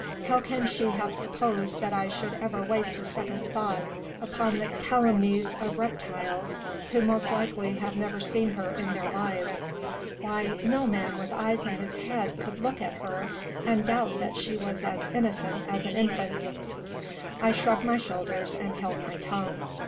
How can she have supposed that I should ever waste a second thought upon the calumnies of reptiles, who most likely have never seen her in their lives ? Why, no man with eyes in his head 12 THE ROMANCE OF could look at her and doubt that she was as innocent as an infant." I shrugged my shoulders and held my tongue.